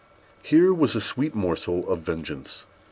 Here was a sweet morsel of vengeance.